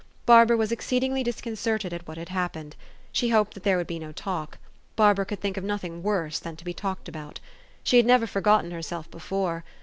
Barbara was exceedingly disconcerted at what had happened. She hoped there would be no talk : Barbara could think of nothing worse than to be talked about. She had never forgotten herself before